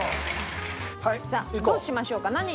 さあどうしましょうか？